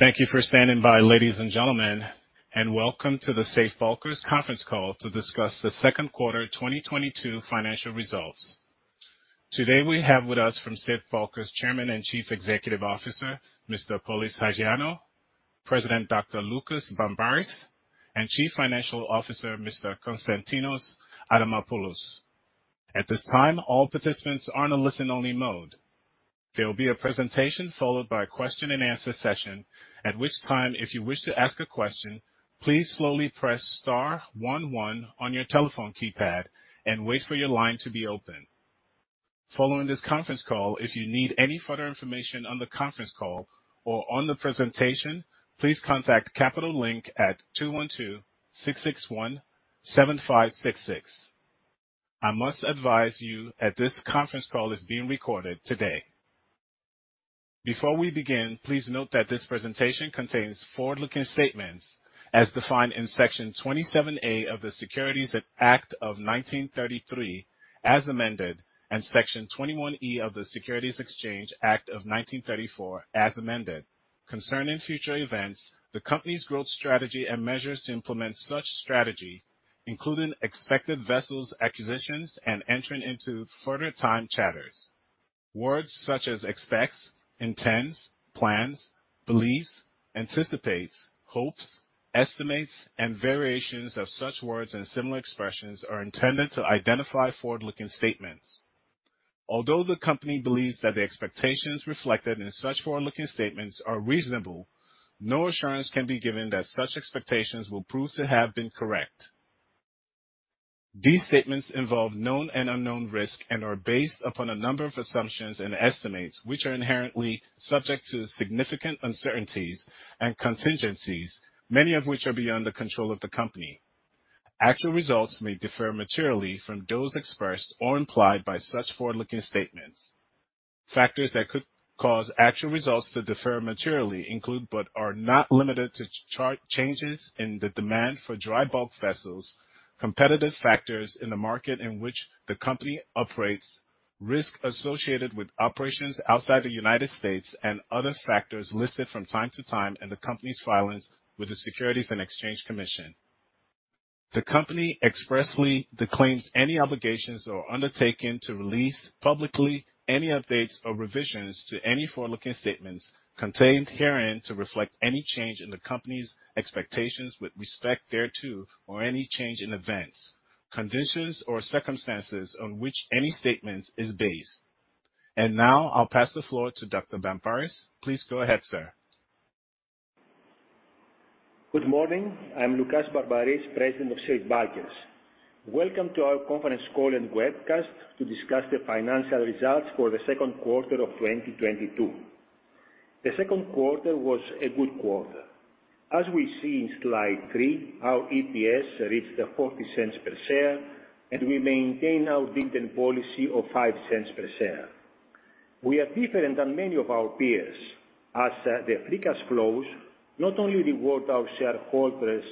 Thank you for standing by, ladies and gentlemen, and welcome to the Safe Bulkers conference call to discuss the second quarter 2022 financial results. Today, we have with us from Safe Bulkers, Chairman and Chief Executive Officer, Mr. Polys Hajioannou, President, Dr. Loukas Barmparis, and Chief Financial Officer, Mr. Konstantinos Adamopoulos. At this time, all participants are on a listen-only mode. There will be a presentation followed by a question and answer session. At which time, if you wish to ask a question, please slowly press star one one on your telephone keypad and wait for your line to be open. Following this conference call, if you need any further information on the conference call or on the presentation, please contact Capital Link at 212-661-7566. I must advise you that this conference call is being recorded today. Before we begin, please note that this presentation contains forward-looking statements as defined in Section 27A of the Securities Act of 1933 as amended, and Section 21E of the Securities Exchange Act of 1934 as amended, concerning future events, the company's growth strategy, and measures to implement such strategy, including expected vessels acquisitions, and entering into further time charters. Words such as expects, intends, plans, believes, anticipates, hopes, estimates, and variations of such words and similar expressions are intended to identify forward-looking statements. Although the company believes that the expectations reflected in such forward-looking statements are reasonable, no assurance can be given that such expectations will prove to have been correct. These statements involve known and unknown risk and are based upon a number of assumptions and estimates, which are inherently subject to significant uncertainties and contingencies, many of which are beyond the control of the company. Actual results may differ materially from those expressed or implied by such forward-looking statements. Factors that could cause actual results to differ materially include, but are not limited to changes in the demand for dry bulk vessels, competitive factors in the market in which the company operates, risks associated with operations outside the United States, and other factors listed from time to time in the company's filings with the Securities and Exchange Commission. The company expressly disclaims any obligations or undertaking to release publicly any updates or revisions to any forward-looking statements contained herein to reflect any change in the company's expectations with respect thereto, or any change in events, conditions, or circumstances on which any statement is based. Now I'll pass the floor to Dr. Barmparis. Please go ahead, sir. Good morning. I'm Loukas Barmparis, President of Safe Bulkers. Welcome to our conference call and webcast to discuss the financial results for the second quarter of 2022. The second quarter was a good quarter. As we see in slide three, our EPS reached $0.40 per share, and we maintain our dividend policy of $0.05 per share. We are different than many of our peers, as the free cash flows not only reward our shareholders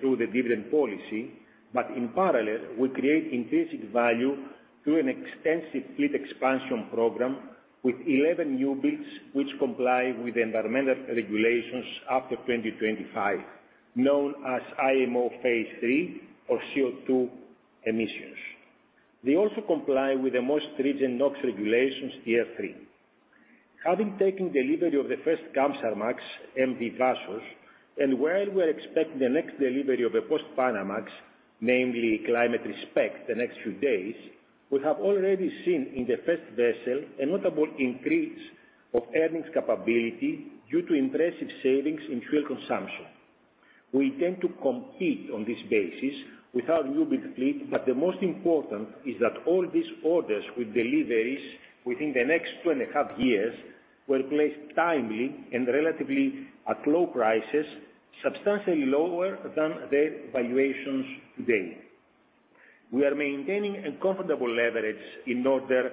through the dividend policy, but in parallel, we create intrinsic value through an extensive fleet expansion program with 11 new builds which comply with environmental regulations after 2025, known as IMO Phase III of CO2 emissions. They also comply with the most rigid NOx regulations, Tier III. Having taken delivery of the first Kamsarmax, MV Vassos, and while we're expecting the next delivery of a Post-Panamax, namely Climate Respect, the next few days, we have already seen in the first vessel a notable increase of earnings capability due to impressive savings in fuel consumption. We intend to compete on this basis with our new build fleet, but the most important is that all these orders with deliveries within the next 2.5 years were placed timely and relatively at low prices, substantially lower than their valuations today. We are maintaining a comfortable leverage in order,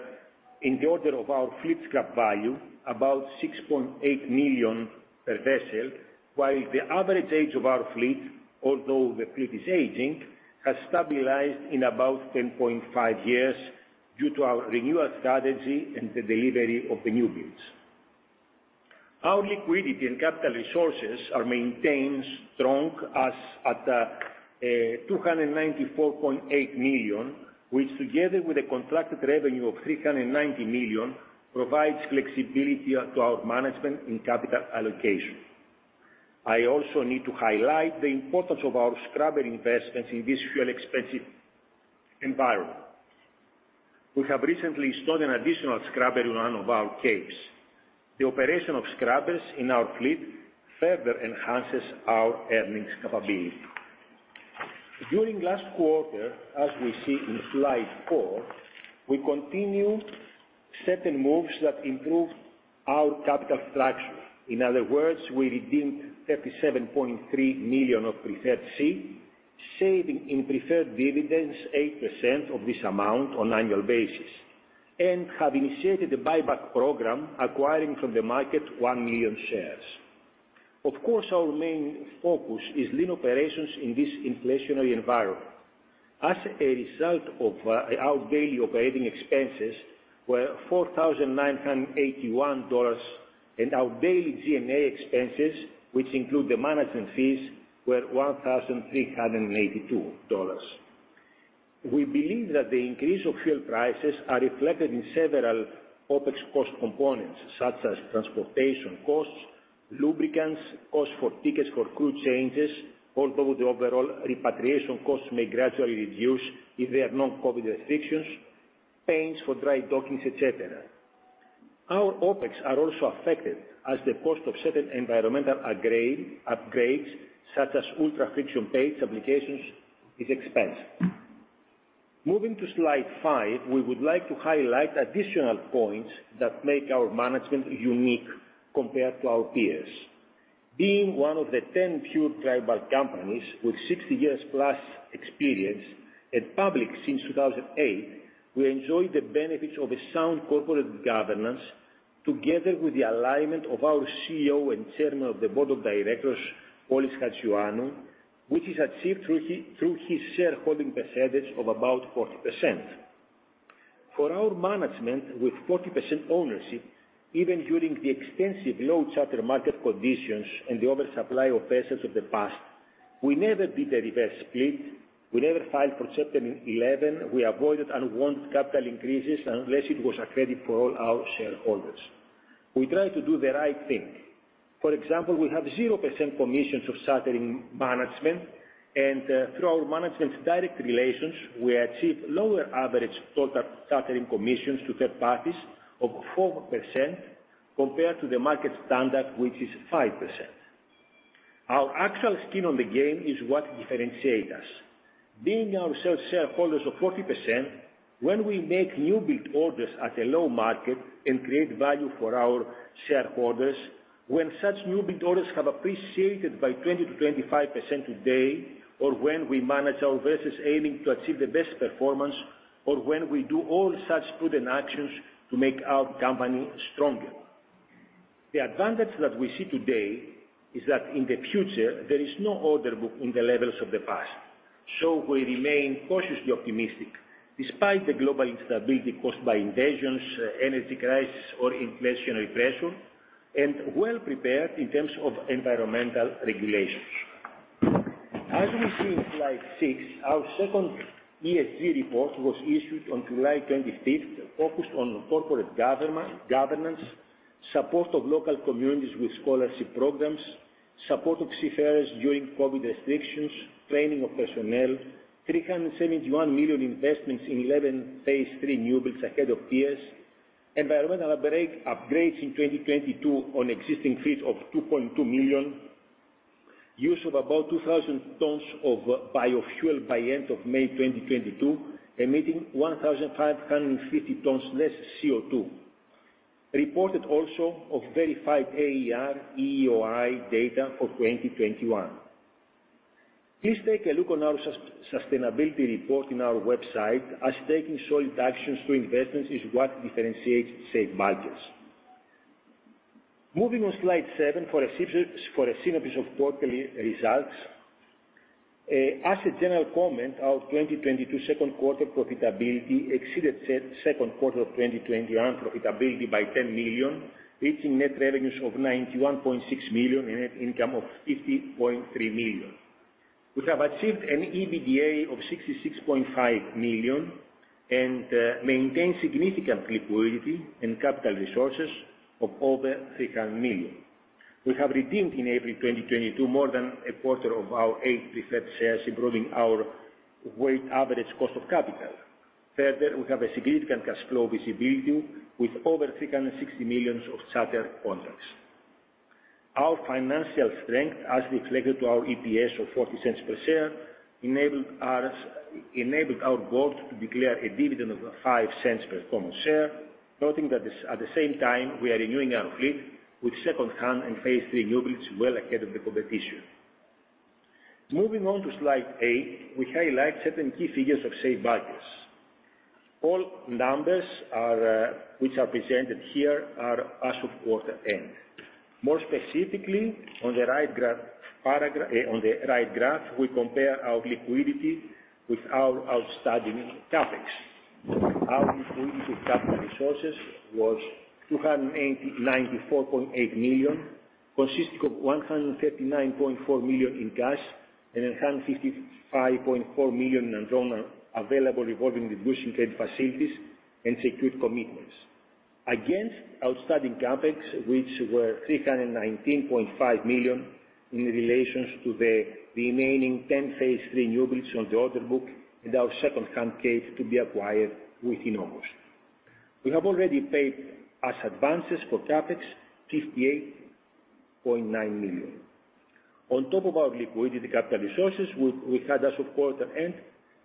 in the order of our fleet scrap value, about $6.8 million per vessel, while the average age of our fleet, although the fleet is aging, has stabilized in about 10.5 years due to our renewal strategy and the delivery of the new builds Our liquidity and capital resources are maintained strong as at $294.8 million, which together with a contracted revenue of $390 million, provides flexibility to our management in capital allocation. I also need to highlight the importance of our scrubber investments in this fuel expensive environment. We have recently installed an additional scrubber in one of our capes. The operation of scrubbers in our fleet further enhances our earnings capability. During last quarter, as we see in slide four, we continued certain moves that improved our capital structure. In other words, we redeemed $37.3 million of Preferred C, saving in preferred dividends 8% of this amount on annual basis, and have initiated a buyback program acquiring from the market 1 million shares. Of course, our main focus is lean operations in this inflationary environment. As a result of our daily operating expenses were $4,981, and our daily G&A expenses, which include the management fees, were $1,382. We believe that the increase of fuel prices are reflected in several OpEx cost components, such as transportation costs, lubricants, costs for tickets for crew changes. Although the overall repatriation costs may gradually reduce if there are no COVID restrictions, expenses for dry dockings, et cetera. Our OpEx are also affected as the cost of certain environmental upgrades, such as ultra-low friction paint applications is expensive. Moving to slide five, we would like to highlight additional points that make our management unique compared to our peers. Being one of the 10 pure dry bulk companies with 60+ years experience and public since 2008, we enjoy the benefits of a sound corporate governance together with the alignment of our CEO and Chairman of the Board of Directors, Polys Hajioannou, which is achieved through his shareholding percentage of about 40%. For our management with 40% ownership, even during the extensive low charter market conditions and the oversupply of vessels of the past, we never did a reverse split. We never filed for Chapter 11. We avoided unwanted capital increases unless it was accretive for all our shareholders. We try to do the right thing. For example, we have 0% commissions of chartering management, and through our management's direct relations, we achieve lower average total chartering commissions to third parties of 4% compared to the market standard, which is 5%. Our actual skin on the game is what differentiates us. Being ourselves shareholders of 40%, when we make newbuild orders at a low market and create value for our shareholders, when such newbuild orders have appreciated by 20%-25% today, or when we manage our vessels aiming to achieve the best performance, or when we do all such prudent actions to make our company stronger. The advantage that we see today is that in the future there is no order book in the levels of the past, so we remain cautiously optimistic despite the global instability caused by invasions, energy crisis or inflationary pressure, and well prepared in terms of environmental regulations. As we see in slide six, our second ESG report was issued on July 25th, focused on corporate governance, support of local communities with scholarship programs, support of seafarers during COVID restrictions, training of personnel, $371 million investments in 11 Phase III newbuilds ahead of peers, environmental upgrades in 2022 on existing fleet of $2.2 million, use of about 2,000 tons of biofuel by end of May 2022, emitting 1,550 tons less CO2. Reported also of verified AER, EEOI data for 2021. Please take a look on our sustainability report in our website as taking solid actions to investments is what differentiates Safe Bulkers. Moving on slide seven for a synopsis of quarterly results. As a general comment, our 2022 second quarter profitability exceeded second quarter of 2020 profitability by $10 million, reaching net revenues of $91.6 million and net income of $50.3 million. We have achieved an EBITDA of $66.5 million and maintain significant liquidity and capital resources of over $300 million. We have redeemed in April 2022 more than a quarter of our 8% preferred shares, improving our weighted average cost of capital. Further, we have a significant cash flow visibility with over $360 million of charter contracts. Our financial strength, as reflected in our EPS of $0.40 per share, enabled our board to declare a dividend of $0.05 per common share, noting that at the same time, we are renewing our fleet with secondhand and Phase III newbuilds well ahead of the competition. Moving on to slide eight, we highlight certain key figures of Safe Bulkers. All numbers are, which are presented here are as of quarter end. More specifically, on the right graph, we compare our liquidity with our outstanding CapEx. Our liquidity capital resources was $294.8 million, consisting of $159.4 million in cash and $155.4 million in available revolving and bridge facilities and secured commitments. Against outstanding CapEx, which were $319.5 million in relation to the remaining 10 Phase III newbuilds on the order book and our secondhand vessel to be acquired within August. We have already paid as advances for CapEx $58.9 million. On top of our liquidity capital resources, we had as of quarter end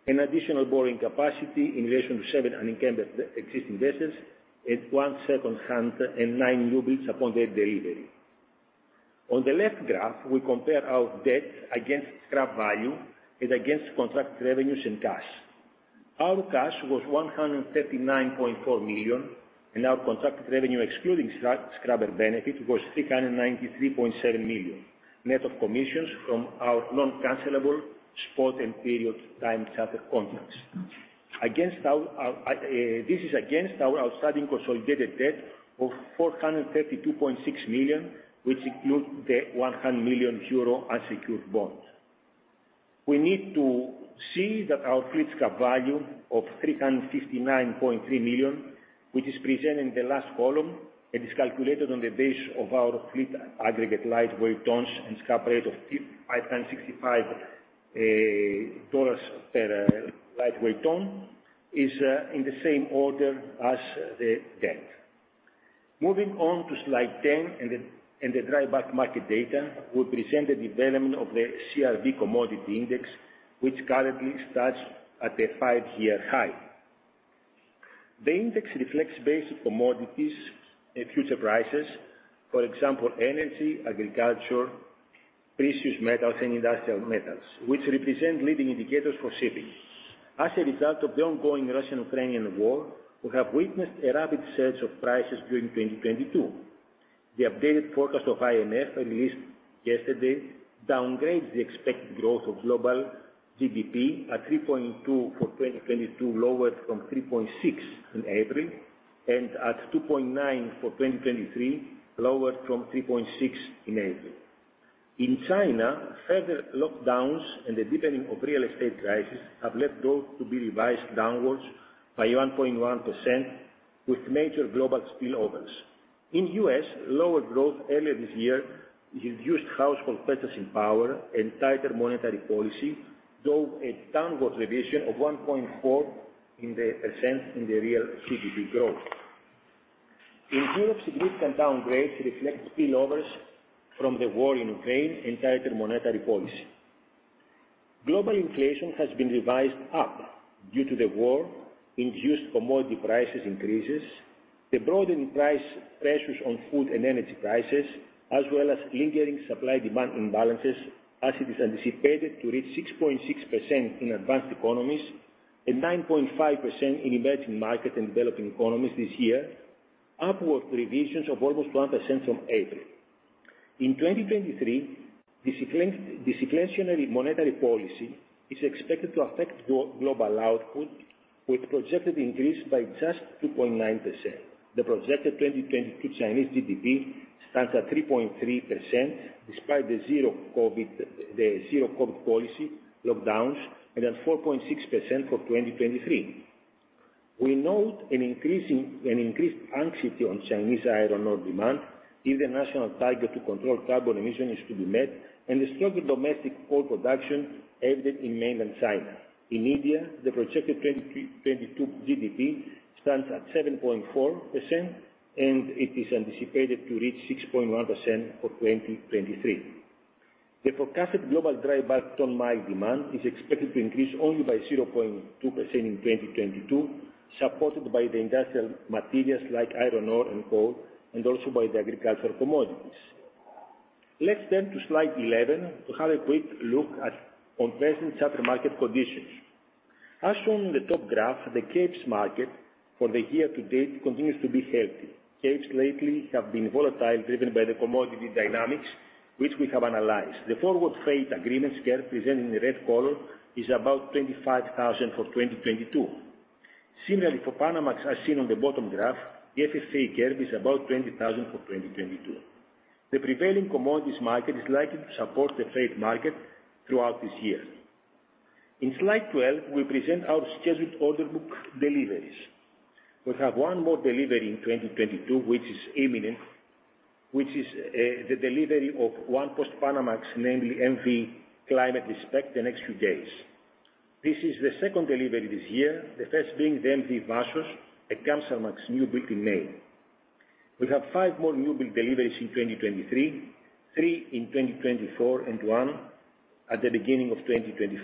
an additional borrowing capacity in relation to seven unencumbered existing vessels and one secondhand and nine newbuilds upon their delivery. On the left graph, we compare our debt against scrap value and against contract revenues and cash. Our cash was $139.4 million, and our contracted revenue excluding scrubber benefit was $393.7 million. Net of commissions from our non-cancelable spot and period time charter contracts. This is against our outstanding consolidated debt of $432.6 million, which includes the 100 million euro unsecured bond. We need to see that our fleet scrap value of $359.3 million, which is presented in the last column and is calculated on the basis of our fleet aggregate lightweight tons and scrap rate of $565 per lightweight ton, is in the same order as the debt. Moving on to slide 10 and the dry bulk market data, we present the development of the CRB Commodity Index, which currently stands at a five-year high. The index reflects basic commodities and futures prices. For example, energy, agriculture, precious metals and industrial metals, which represent leading indicators for shipping. As a result of the ongoing Russian-Ukrainian war, we have witnessed a rapid surge of prices during 2022. The updated forecast of IMF released yesterday downgrades the expected growth of global GDP to 3.2% for 2022, lowered from 3.6% in April, and to 2.9% for 2023, lowered from 3.6% in April. In China, further lockdowns and the deepening of real estate crisis have led growth to be revised downwards by 1.1 percentage points with major global spillovers. In the U.S., lower growth early this year reduced household purchasing power and tighter monetary policy drove a downward revision of 1.4 percentage points in the real GDP growth. In Europe, significant downgrades reflect spillovers from the war in Ukraine and tighter monetary policy. Global inflation has been revised up due to the war-induced commodity prices increases, the broadening price pressures on food and energy prices, as well as lingering supply-demand imbalances as it is anticipated to reach 6.6% in advanced economies and 9.5% in emerging market and developing economies this year, upward revisions of almost 1% from April. In 2023, disinflationary monetary policy is expected to affect global output with projected increase by just 2.9%. The projected 2022 Chinese GDP stands at 3.3% despite the zero COVID policy lockdowns and at 4.6% for 2023. We note an increased anxiety on Chinese iron ore demand if the national target to control carbon emission is to be met and the struggling domestic coal production evident in mainland China. In India, the projected 2022 GDP stands at 7.4%, and it is anticipated to reach 6.1% for 2023. The forecasted global dry bulk ton-mile demand is expected to increase only by 0.2% in 2022, supported by the industrial materials like iron ore and coal, and also by the agricultural commodities. Let's turn to slide 11 to have a quick look at current charter market conditions. As shown in the top graph, the Capes market for the year to date continues to be healthy. Capes lately have been volatile, driven by the commodity dynamics which we have analyzed. The forward freight agreements curve presented in the red color is about 25,000 for 2022. Similarly for Panamax, as seen on the bottom graph, the FFA curve is about 20,000 for 2022. The prevailing commodities market is likely to support the freight market throughout this year. In slide 12, we present our scheduled order book deliveries. We have one more delivery in 2022, which is imminent, which is the delivery of 1 Post-Panamax, namely MV Climate Respect, the next few days. This is the second delivery this year, the first being the MV Vassos, a Kamsarmax newbuild in May. We have five more newbuild deliveries in 2023, three in 2024 and one at the beginning of 2025.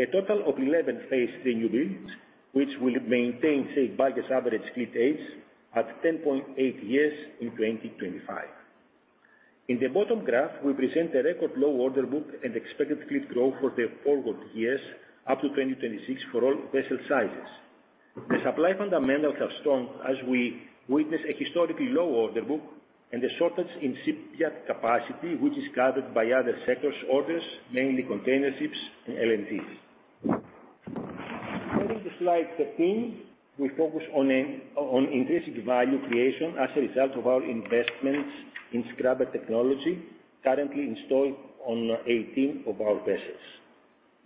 A total of 11 Phase III newbuilds, which will maintain Safe Bulkers average fleet age at 10.8 years in 2025. In the bottom graph, we present a record low order book and expected fleet growth for the forward years up to 2026 for all vessel sizes. The supply fundamentals are strong as we witness a historically low order book and a shortage in shipyard capacity, which is gathered by other sectors' orders, mainly containerships and LNGs. Turning to slide 13, we focus on intrinsic value creation as a result of our investments in scrubber technology currently installed on 18 of our vessels.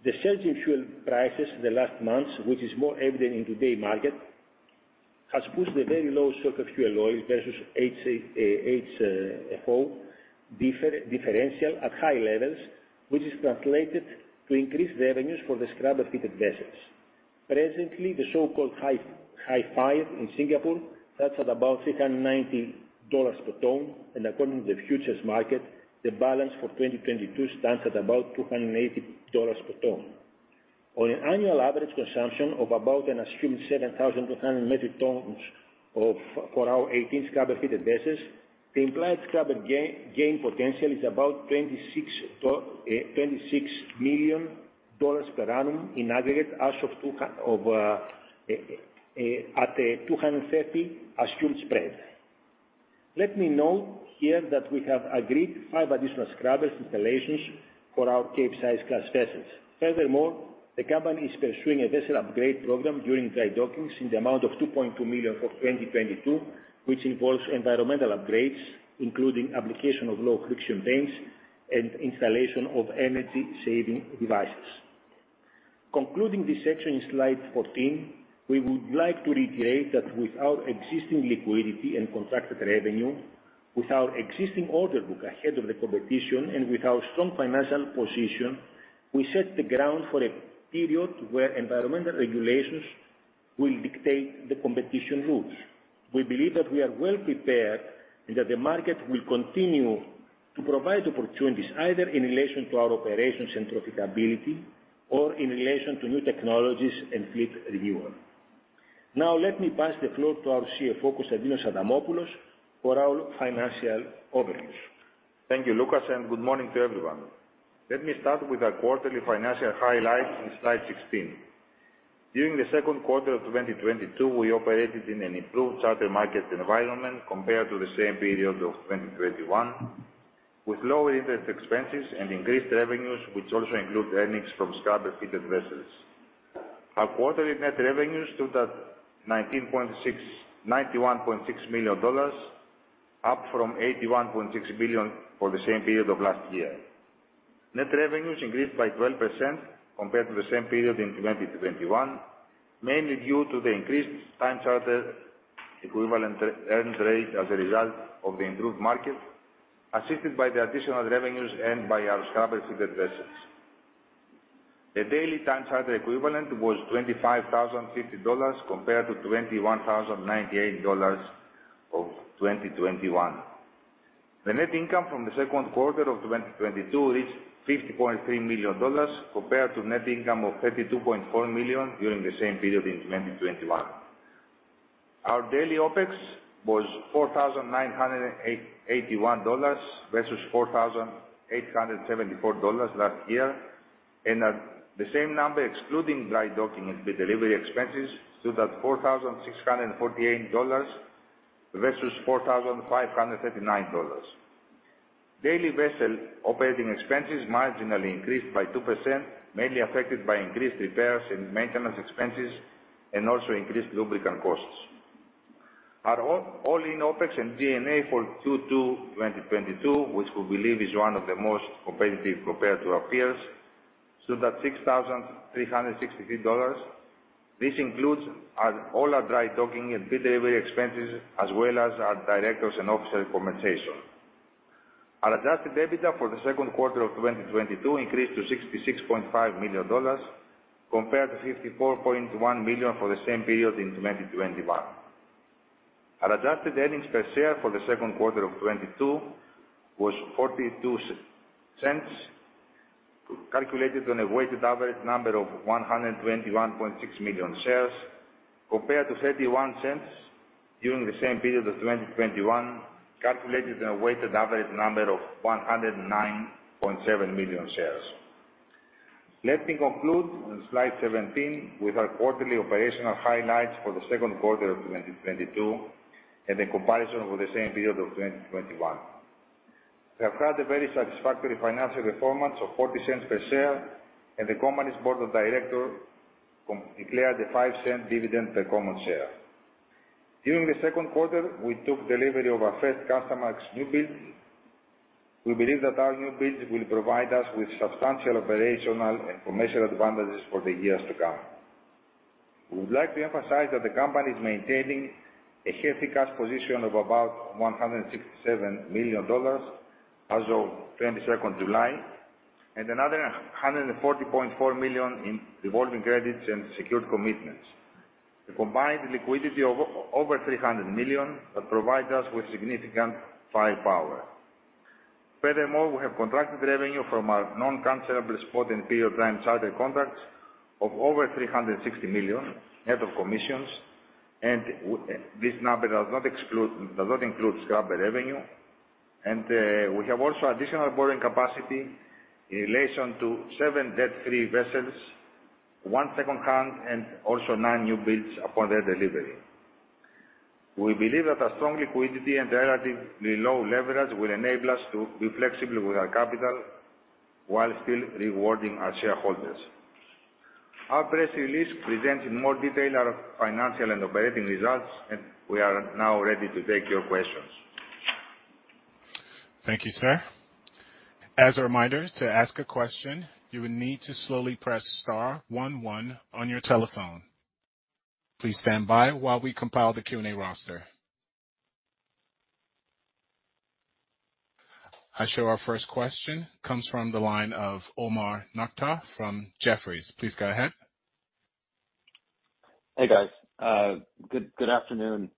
The surge in fuel prices in the last months, which is more evident in today's market, has pushed the Very Low Sulfur Fuel Oil versus HFO differential at high levels, which is translated to increased revenues for the scrubber-fitted vessels. Presently, the so-called Hi5 in Singapore starts at about $390 per ton, and according to the futures market, the balance for 2022 stands at about $280 per ton. On an annual average consumption of about an assumed 7,200 metric tons of, for our 18 scrubber-fitted vessels. The implied scrubber gain potential is about $26 million per annum in aggregate at a 250 assumed spread. Let me note here that we have agreed five additional scrubber installations for our Capesize class vessels. Furthermore, the company is pursuing a vessel upgrade program during dry dockings in the amount of $2.2 million for 2022, which involves environmental upgrades, including application of low friction paints and installation of energy-saving devices. Concluding this section in slide 14, we would like to reiterate that with our existing liquidity and contracted revenue, with our existing order book ahead of the competition, and with our strong financial position, we set the ground for a period where environmental regulations will dictate the competition rules. We believe that we are well prepared and that the market will continue to provide opportunities, either in relation to our operations and profitability or in relation to new technologies and fleet renewal. Now let me pass the floor to our CFO, Konstantinos Adamopoulos, for our financial overview. Thank you, Loukas, and good morning to everyone. Let me start with our quarterly financial highlights in slide 16. During the second quarter of 2022, we operated in an improved charter market environment compared to the same period of 2021, with lower interest expenses and increased revenues, which also include earnings from scrubber-fitted vessels. Our quarterly net revenues stood at $91.6 million, up from $81.6 million for the same period of last year. Net revenues increased by 12% compared to the same period in 2021, mainly due to the increased time charter equivalent earnings rate as a result of the improved market, assisted by the additional revenues and by our scrubber-fitted vessels. The daily time charter equivalent was $25,050 compared to $21,098 of 2021. The net income from the second quarter of 2022 is $50.3 million compared to net income of $32.4 million during the same period in 2021. Our daily OpEx was $4,981 versus $4,874 last year. At the same number excluding dry docking and delivery expenses stood at $4,648 versus $4,539. Daily vessel operating expenses marginally increased by 2%, mainly affected by increased repairs and maintenance expenses and also increased lubricant costs. Our all-in OpEx and G&A for 2022, which we believe is one of the most competitive compared to our peers, stood at $6,363. This includes all our dry docking and delivery expenses as well as our directors' and officers' compensation. Our adjusted EBITDA for the second quarter of 2022 increased to $66.5 million compared to $54.1 million for the same period in 2021. Our adjusted earnings per share for the second quarter of 2022 was $0.42, calculated on a weighted average number of 121.6 million shares, compared to $0.31 during the same period of 2021, calculated on a weighted average number of 109.7 million shares. Let me conclude on slide 17 with our quarterly operational highlights for the second quarter of 2022 and in comparison with the same period of 2021. We have had a very satisfactory financial performance of $0.40 per share, and the company's board of directors declared a $0.05 dividend per common share. During the second quarter, we took delivery of our first Kamsarmax newbuild. We believe that our newbuild will provide us with substantial operational and commercial advantages for the years to come. We would like to emphasize that the company is maintaining a healthy cash position of about $167 million as of July 22nd, and another $140.4 million in revolving credits and secured commitments. The combined liquidity of over $300 million provides us with significant firepower. Furthermore, we have contracted revenue from our non-cancellable spot and period time charter contracts of over $360 million net of commissions. This number does not include scrubber revenue. We have also additional borrowing capacity in relation to seven debt-free vessels, one secondhand, and also nine newbuilds upon their delivery. We believe that our strong liquidity and relatively low leverage will enable us to be flexible with our capital while still rewarding our shareholders. Our press release presents in more detail our financial and operating results, and we are now ready to take your questions. Thank you, sir. As a reminder, to ask a question, you will need to slowly press star one one on your telephone. Please stand by while we compile the Q&A roster. I show our first question comes from the line of Omar Nokta from Jefferies. Please go ahead. Hey, guys. Good afternoon.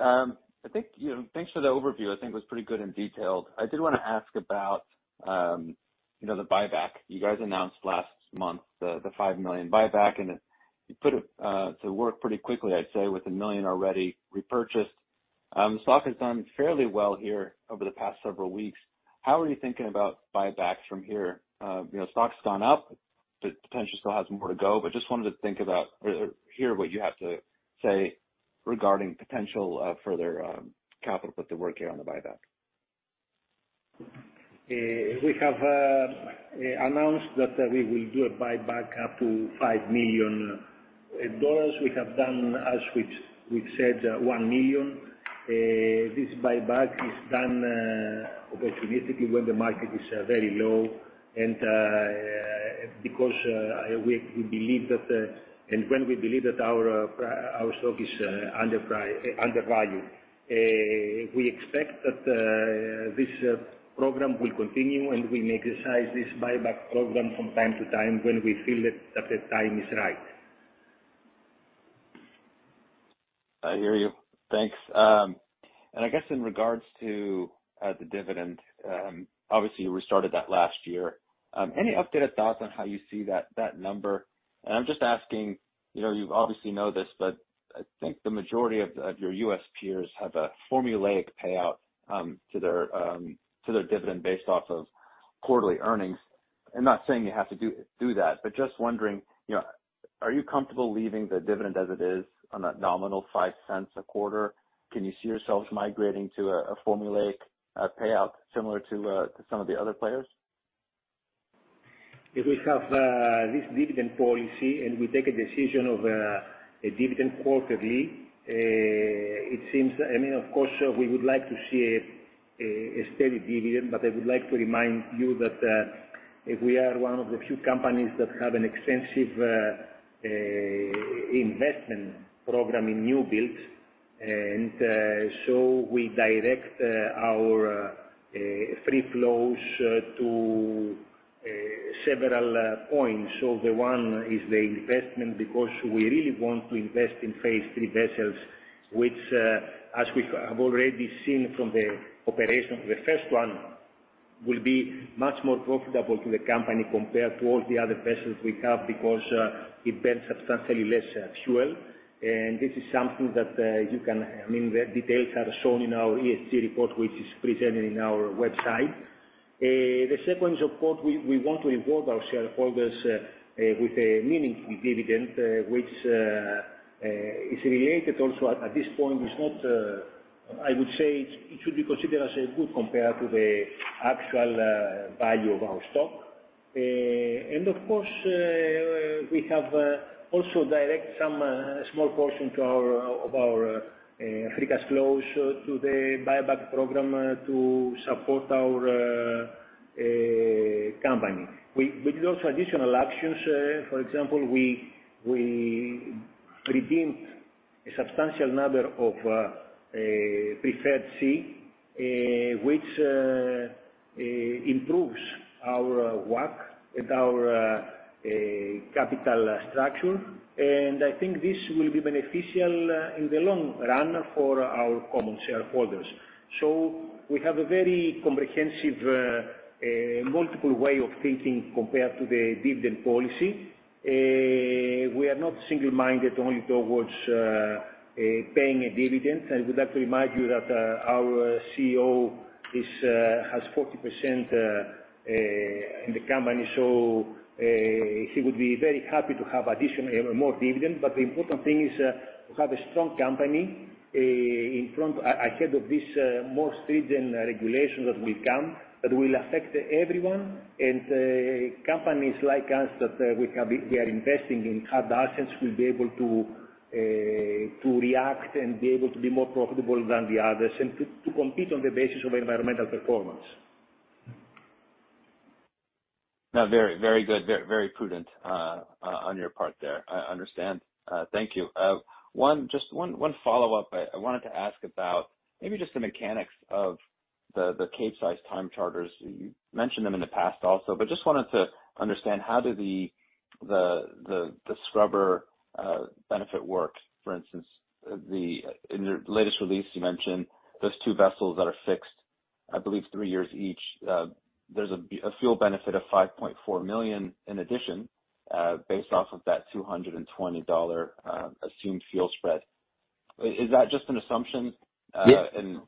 I think, you know, thanks for the overview. I think it was pretty good and detailed. I did wanna ask about, you know, the buyback. You guys announced last month the $5 million buyback, and it- You put it to work pretty quickly, I'd say, with $1 million already repurchased. Stock has done fairly well here over the past several weeks. How are you thinking about buyback from here? You know, stock's gone up. The potential still has more to go, but just wanted to think about or hear what you have to say regarding potential further capital put to work here on the buyback. We have announced that we will do a buyback up to $5 million. We have done as we said $1 million. This buyback is done opportunistically when the market is very low and because we believe that when we believe that our stock is undervalued. We expect that this program will continue, and we may exercise this buyback program from time to time when we feel that the time is right. I hear you. Thanks. I guess in regards to the dividend, obviously you restarted that last year. Any updated thoughts on how you see that number? I'm just asking, you know, you obviously know this, but I think the majority of your U.S. peers have a formulaic payout to their dividend based off of quarterly earnings. I'm not saying you have to do that, but just wondering, you know, are you comfortable leaving the dividend as it is on that nominal $0.05 a quarter? Can you see yourselves migrating to a formulaic payout similar to some of the other players? If we have this dividend policy, and we take a decision on a dividend quarterly, it seems. I mean, of course, we would like to see a steady dividend, but I would like to remind you that we are one of the few companies that have an extensive investment program in new builds. We direct our free cash flows to several points. One is the investment because we really want to invest in Phase III vessels which, as we have already seen from the operation of the first one, will be much more profitable to the company compared to all the other vessels we have because it burns substantially less fuel. This is something that you can. I mean, the details are shown in our ESG report, which is presented on our website. The second is of course we want to reward our shareholders with a meaningful dividend, which is attractive also at this point, I would say it should be considered as a good compared to the actual value of our stock. Of course, we have also directed some small portion of our free cash flows to the buyback program to support our company. We did also additional actions. For example, we redeemed a substantial number of preferred C, which improves our WACC and our capital structure. I think this will be beneficial in the long run for our common shareholders. We have a very comprehensive multiple way of thinking compared to the dividend policy. We are not single-minded only towards paying a dividend. I would like to remind you that our CEO has 40% in the company, so he would be very happy to have or more dividend. The important thing is to have a strong company ahead of this more stringent regulation that will come that will affect everyone. Companies like us that we are investing in hard assets will be able to react and be able to be more profitable than the others and to compete on the basis of environmental performance. No, very, very good, very, very prudent on your part there. I understand. Thank you. One follow-up I wanted to ask about maybe just the mechanics of the Capesize time charters. You mentioned them in the past also, but just wanted to understand how do the scrubber benefit work. For instance, in your latest release you mention those two vessels that are fixed, I believe three years each. There's a fuel benefit of $5.4 million in addition, based off of that $220 assumed fuel spread. Is that just an assumption? Ye- And-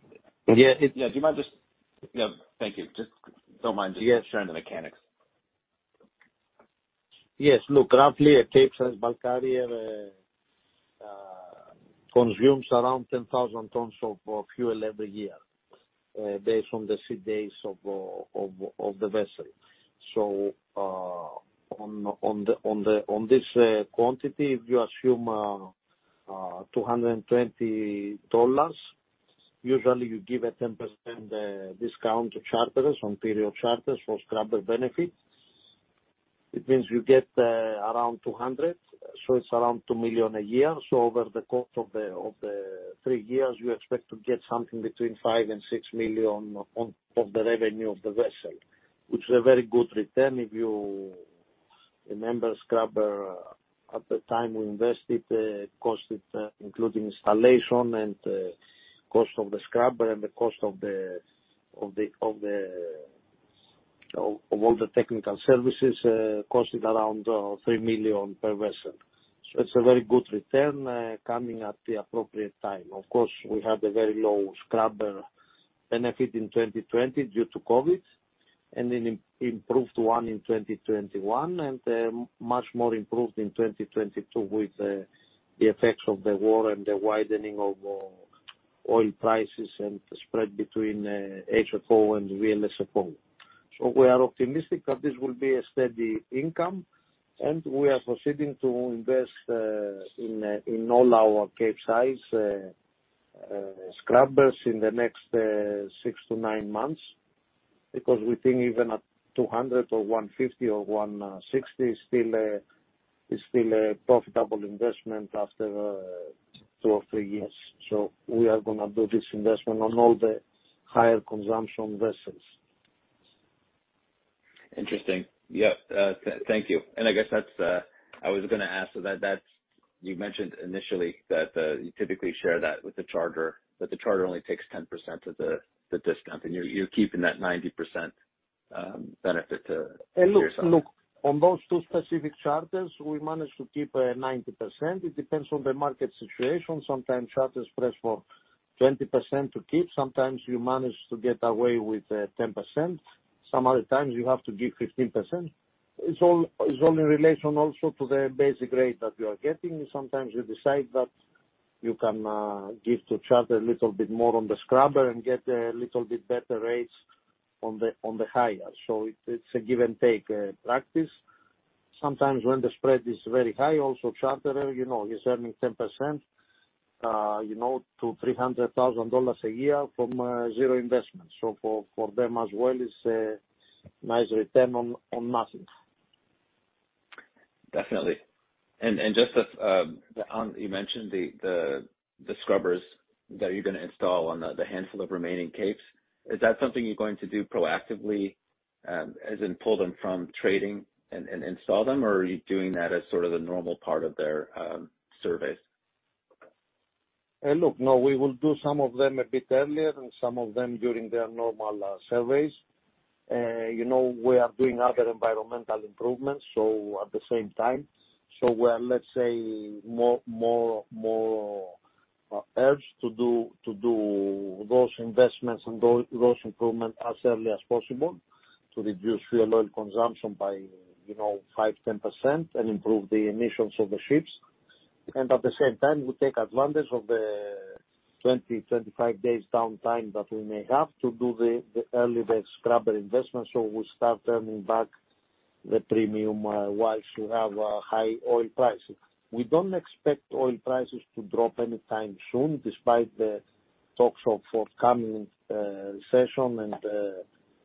Yeah. Yeah. Do you mind just, you know. Thank you. Just don't mind sharing the mechanics. Yes. Look, roughly a Capesize bulk carrier consumes around 10,000 tons of fuel every year based on the sea days of the vessel. On this quantity, if you assume $220, usually you give a 10% discount to charterers on period charters for scrubber benefit. It means you get around $200, so it's around $2 million a year. Over the course of the three years, you expect to get something between $5 million-$6 million on the revenue of the vessel, which is a very good return if you remember scrubber at the time we invested costed including installation and cost of the scrubber and the cost of the... Of all the technical services costing around $3 million per vessel. It's a very good return coming at the appropriate time. Of course, we had a very low scrubber benefit in 2020 due to COVID, and an improved one in 2021, and a much more improved in 2022 with the effects of the war and the widening of oil prices and spread between HFO and VLSFO. We are optimistic that this will be a steady income, and we are proceeding to invest in all our Capesize scrubbers in the next six to nine months because we think even at $200 or $150 or $160, it's still a profitable investment after two or three years. We are gonna do this investment on all the higher consumption vessels. Interesting. Yeah. Thank you. I guess that's I was gonna ask, so that's you mentioned initially that you typically share that with the charter, but the charter only takes 10% of the discount, and you're keeping that 90% benefit to yourself. Look, on those two specific charters, we managed to keep 90%. It depends on the market situation. Sometimes charters press for 20% to keep. Sometimes you manage to get away with 10%. Some other times you have to give 15%. It's all in relation also to the basic rate that you are getting. Sometimes you decide that you can give to charterer a little bit more on the scrubber and get a little bit better rates on the hire. It's a give and take practice. Sometimes when the spread is very high, also charterer, you know, he's earning 10%, you know, to $300,000 a year from zero investment. For them as well, it's a nice return on nothing. Definitely. Just as you mentioned the scrubbers that you're gonna install on the handful of remaining Capesize, is that something you're going to do proactively, as in pull them from trading and install them? Or are you doing that as sort of the normal part of their surveys? Look, no, we will do some of them a bit earlier and some of them during their normal surveys. You know, we are doing other environmental improvements, so at the same time. We're, let's say more urged to do those investments and those improvements as early as possible to reduce fuel oil consumption by, you know, 5%-10% and improve the emissions of the ships. At the same time, we take advantage of the 20-25 days downtime that we may have to do the early scrubber investment. We start earning back the premium whilst we have a high oil price. We don't expect oil prices to drop anytime soon, despite the talks of forthcoming recession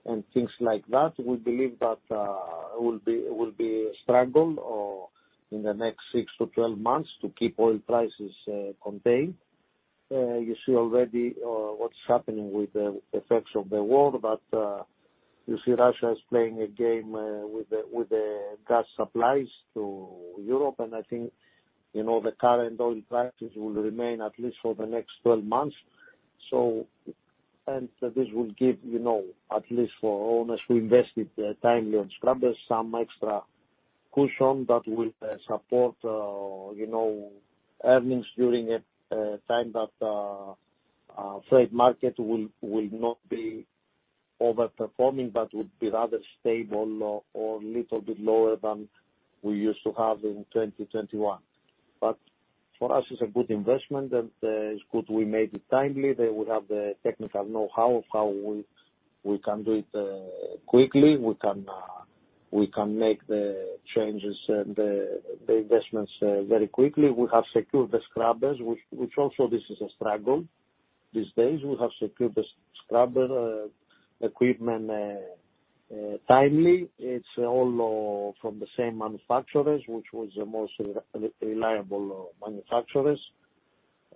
and things like that. We believe that it will be a struggle in the next 6-12 months to keep oil prices contained. You see already what's happening with the effects of the war, but you see Russia is playing a game with the gas supplies to Europe. I think, you know, the current oil prices will remain at least for the next 12 months. This will give, you know, at least for owners who invested timely on scrubbers, some extra cushion that will support, you know, earnings during a time that freight market will not be over-performing, but would be rather stable or little bit lower than we used to have in 2021. For us, it's a good investment and it's good we made it timely. We have the technical know-how of how we can do it quickly. We can make the changes and the investments very quickly. We have secured the scrubbers, which also this is a struggle these days. We have secured the scrubber equipment timely. It's all from the same manufacturers, which was the most reliable manufacturers.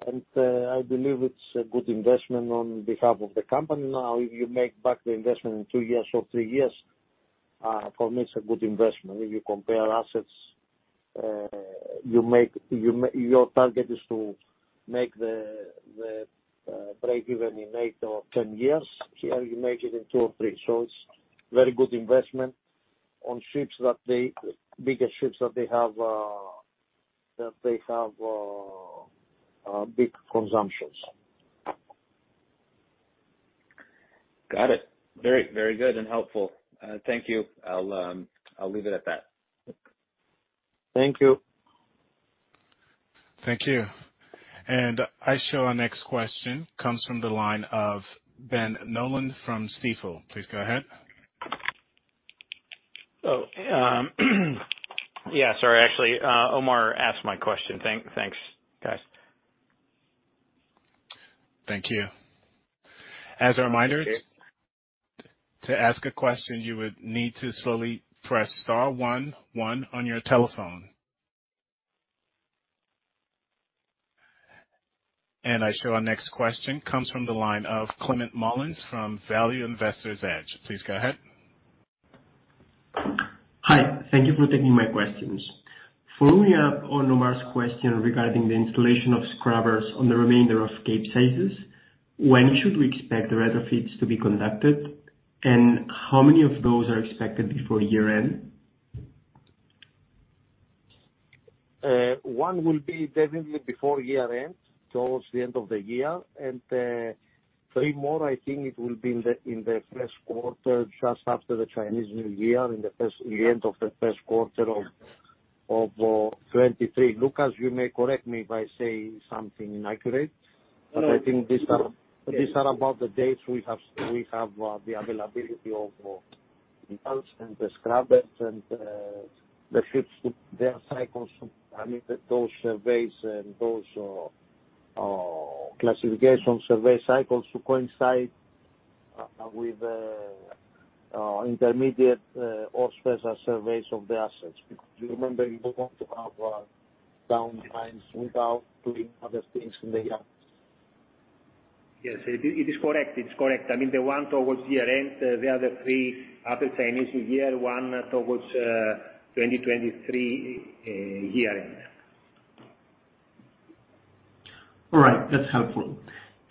I believe it's a good investment on behalf of the company now. If you make back the investment in two years or three years, for me it's a good investment. If you compare assets, your target is to make the breakeven in eight or 10 years. Here, you make it in two or three. It's very good investment on ships that they Bigger ships that they have big consumptions. Got it. Very, very good and helpful. Thank you. I'll leave it at that. Thank you. Thank you. Our next question comes from the line of Benjamin Nolan from Stifel. Please go ahead. Sorry, actually, Omar asked my question. Thanks, guys. Thank you. As a reminder. Okay. To ask a question, you would need to slowly press star one one on your telephone. Now our next question comes from the line of Climent Molins from Value Investor's Edge. Please go ahead. Thank you for taking my questions. Following up on Omar's question regarding the installation of scrubbers on the remainder of Capesize, when should we expect the retrofits to be conducted, and how many of those are expected before year-end? One will be definitely before year-end, towards the end of the year. Three more, I think it will be in the first quarter just after the Chinese New Year, the end of the first quarter of 2023. Loukas, you may correct me if I say something inaccurate. No. I think these are about the dates we have the availability of details and the scrubbers and the ships with their cycles. I mean that those surveys and classifications survey cycles to coincide with intermediate or surveys of the assets. Because you remember you don't want to have down times without doing other things in the yards. Yes, it is correct. It's correct. I mean, the one towards year-end, the other three at the Chinese New Year, one towards 2023 year-end. All right, that's helpful.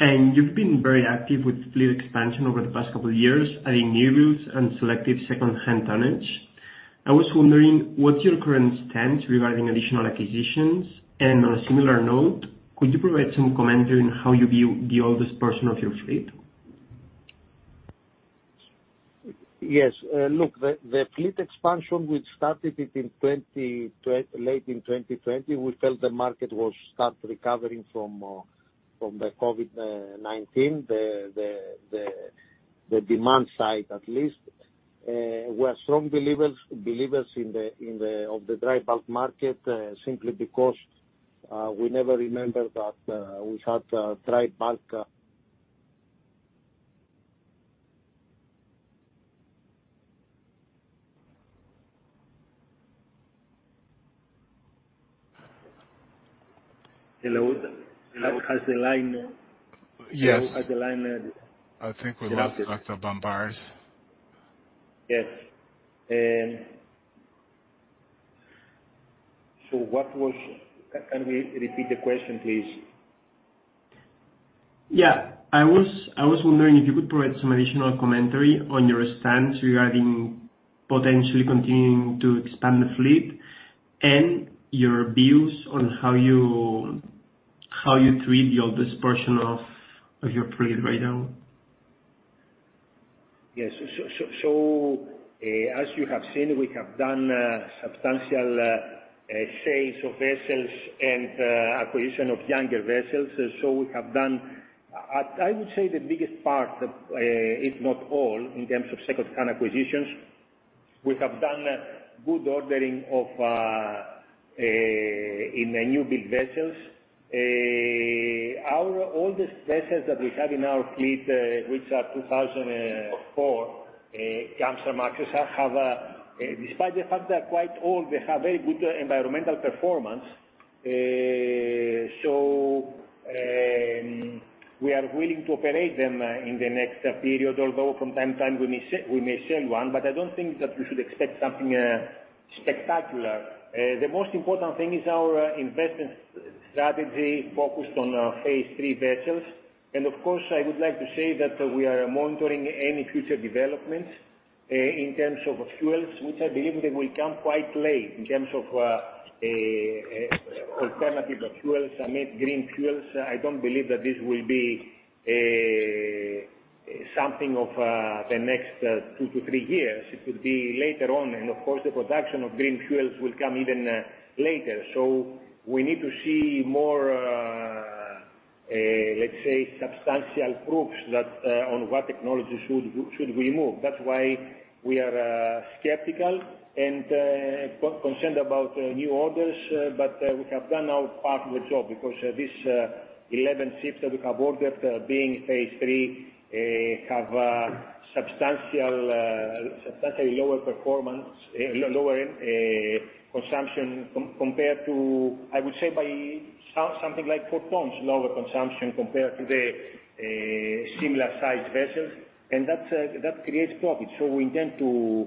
You've been very active with fleet expansion over the past couple years, adding new routes and selective secondhand tonnage. I was wondering what's your current stance regarding additional acquisitions? On a similar note, could you provide some commentary on how you view the oldest portion of your fleet? Yes. Look, the fleet expansion which started late in 2020, we felt the market will start recovering from the COVID-19, the demand side at least. We're strong believers in the dry bulk market, simply because we never remembered that we had a dry bulk. Hello? Hello? Has the line- Yes. Has the line- I think we lost Dr. Barmparis. Yes. Can we repeat the question, please? Yeah. I was wondering if you could provide some additional commentary on your stance regarding potentially continuing to expand the fleet and your views on how you treat the oldest portion of your fleet right now? Yes. As you have seen, we have done substantial sales of vessels and acquisition of younger vessels. We have done, I would say the biggest part if not all, in terms of secondhand acquisitions, we have done a good ordering of in the new build vessels. Our oldest vessels that we have in our fleet, which are 2004 Capesize vessels have a. Despite the fact they are quite old, they have very good environmental performance. We are willing to operate them in the next period, although from time to time we may sell one. I don't think that we should expect something spectacular. The most important thing is our investment strategy focused on Phase III vessels. I would like to say that we are monitoring any future developments in terms of fuels, which I believe they will come quite late in terms of alternative fuels, I mean, green fuels. I don't believe that this will be something of the next two to three years. It will be later on. Of course, the production of green fuels will come even later. We need to see more, let's say substantial proofs that on what technology should we move. That's why we are skeptical and concerned about new orders. We have done our part of the job because these 11 ships that we have ordered, being Phase III, have a substantially lower performance, lower consumption compared to, I would say by something like 4 tons, lower consumption compared to the similar sized vessels. That creates profit. We intend to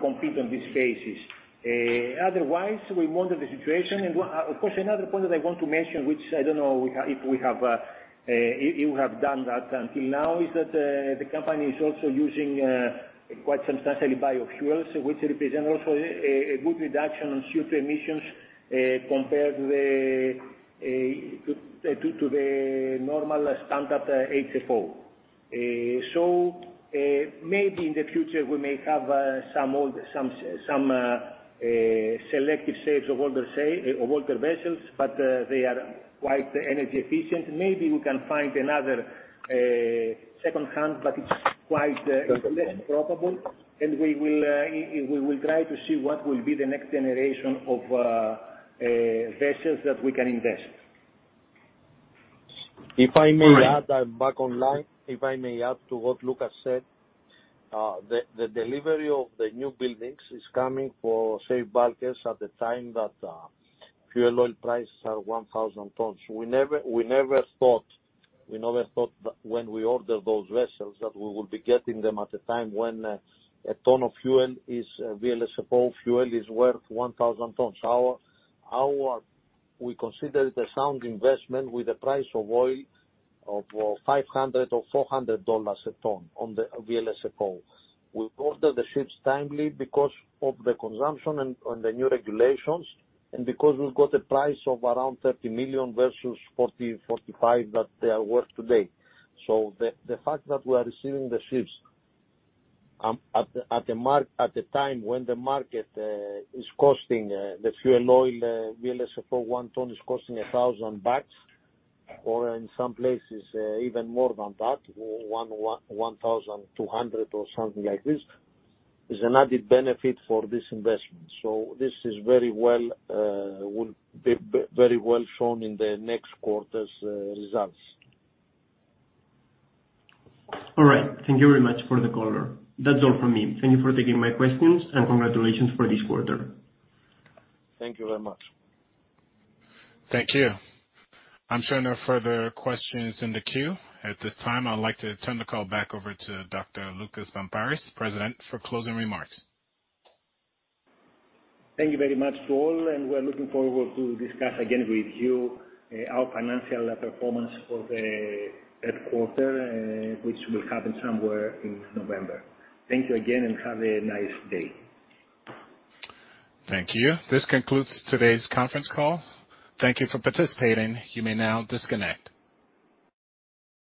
compete on these phases. Otherwise, we monitor the situation. Of course, another point that I want to mention, which I don't know if we have, if you have done that until now, is that the company is also using quite substantially biofuels, which represent also a good reduction on CO2 emissions compared to the normal standard HFO. Maybe in the future we may have some selective sales of older vessels, but they are quite energy efficient. Maybe we can find another secondhand, but it's quite less probable. We will try to see what will be the next generation of vessels that we can invest. If I may add, I'm back online. If I may add to what Loukas said, the delivery of the new buildings is coming for Safe Bulkers at the time that fuel oil prices are $1,000 a ton. We never thought that when we ordered those vessels that we would be getting them at a time when a ton of fuel is VLSFO fuel is worth $1,000 a ton. We consider it a sound investment with the price of oil of $500 or $400 a ton on the VLSFO. We ordered the ships timely because of the consumption and the new regulations, and because we've got a price of around $30 million versus $40 million-$45 million that they are worth today. The fact that we are receiving the ships at the time when VLSFO one ton is costing $1,000, or in some places even more than that, $1,200 or something like this, is an added benefit for this investment. This will be very well shown in the next quarter's results. All right. Thank you very much for the color. That's all from me. Thank you for taking my questions and congratulations for this quarter. Thank you very much. Thank you. I'm showing no further questions in the queue. At this time, I'd like to turn the call back over to Dr. Loukas Barmparis, President, for closing remarks. Thank you very much to all, and we're looking forward to discuss again with you, our financial performance for the third quarter, which will happen somewhere in November. Thank you again, and have a nice day. Thank you. This concludes today's conference call. Thank you for participating. You may now disconnect.